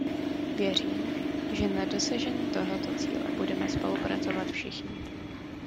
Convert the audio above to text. Věřím, že na dosažení tohoto cíle budeme spolupracovat všichni.